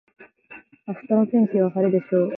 明日の天気は晴れでしょう。